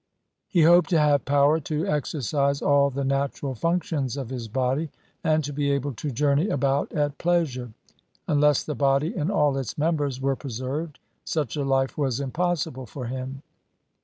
He hoped to have power to exercise all the natural functions of his body, and to be able to journey about at pleasure ; unless the body and all its members were preserved, such a life was impossible for him.